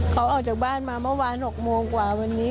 เขาออกจากบ้านมาเมื่อวาน๖โมงกว่าวันนี้